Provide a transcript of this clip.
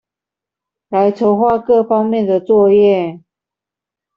來籌畫各方面的作業